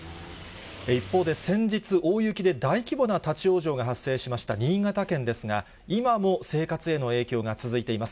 一方で、先日、大雪で大規模な立往生が発生しました新潟県ですが、今も生活への影響が続いています。